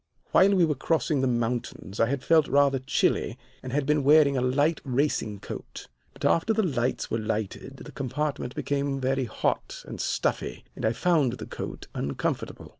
"While we were crossing the mountains I had felt rather chilly and had been wearing a light racing coat. But after the lamps were lighted the compartment became very hot and stuffy, and I found the coat uncomfortable.